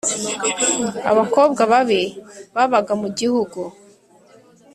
abakobwa babi babaga mu gihugu